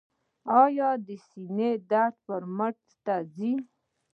ایا د سینې درد مو مټ ته ځي؟